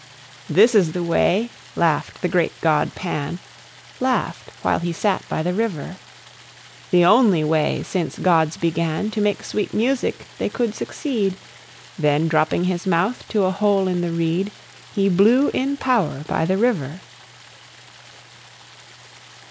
"This is the way," laugh'd the great god Pan (Laugh'd while he sat by the river), "The only way, since gods began To make sweet music, they could succeed." Then, dropping his mouth to a hole in the reed He blew in power by the river.